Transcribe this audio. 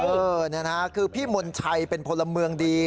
นี่นะครับคือพี่มนชัยเป็นพลเมืองดี